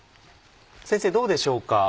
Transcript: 先生どうでしょうか？